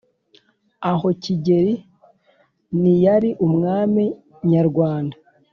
Aho Kigeli niyari umwami nyarwanda